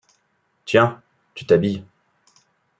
Tiens ! tu t’habilles…